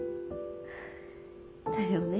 だよね。